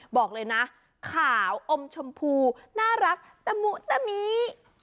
บอกเลยนะขาวอมชมพูน่ารักตะมุตะมิ